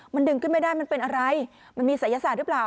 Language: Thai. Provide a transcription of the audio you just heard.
มันดึงขึ้นไม่ได้มันเป็นอะไรมันมีศัยศาสตร์หรือเปล่า